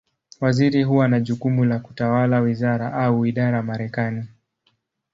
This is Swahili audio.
Waziri huwa na jukumu la kutawala wizara, au idara Marekani.